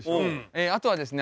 あとはですね